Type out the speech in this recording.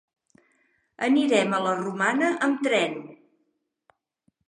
Anirem a la Romana amb tren.